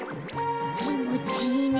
きもちいいね。